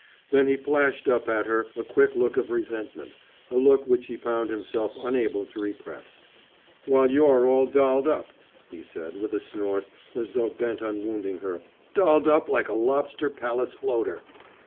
Then he flashed up at her a quick look of resentment, a look which he found himself unable to repress. "While you're all dolled up," he said with a snort, as though bent on wounding her, "dolled up like a lobster palace floater!"